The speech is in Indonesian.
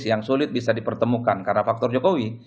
yang sulit bisa dipertemukan karena faktor jokowi